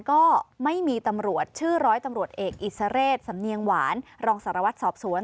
ก็ไม่มีตำรวจชื่อร้อยตำรวจเอกอิสเรศสำเนียงหวานรองสารวัตรสอบสวน